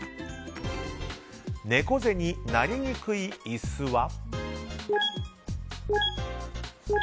猫背になりにくい椅子は？